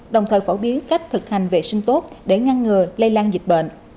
đồng thời phổ biến cách thực hành vệ sinh tốt để ngăn ngừa lây lan dịch bệnh